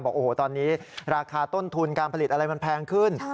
บอกโอ้โหตอนนี้ราคาต้นทุนการผลิตอะไรมันแพงขึ้น